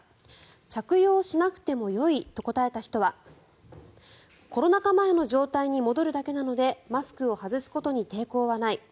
着用しなくてもよいと答えた人はコロナ禍前の状態に戻るだけなのでマスクを外すことに抵抗はない。